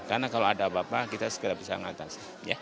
karena kalau ada bapak kita segera bisa mengatas